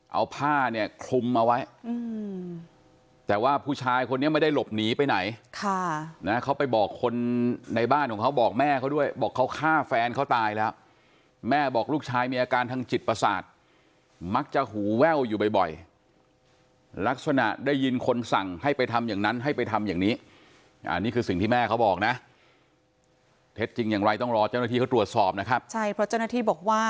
เอาผ้าเนี่ยคลุมเอาไว้แต่ว่าผู้ชายคนนี้ไม่ได้หลบหนีไปไหนค่ะนะเขาไปบอกคนในบ้านของเขาบอกแม่เขาด้วยบอกเขาฆ่าแฟนเขาตายแล้วแม่บอกลูกชายมีอาการทางจิตประสาทมักจะหูแว่วอยู่บ่อยลักษณะได้ยินคนสั่งให้ไปทำอย่างนั้นให้ไปทำอย่างนี้อันนี้คือสิ่งที่แม่เขาบอกนะเท็จจริงอย่างไรต้องรอเจ้าหน้าที่เขาตรวจสอบนะครับใช่เพราะเจ้าหน้าที่บอกว่า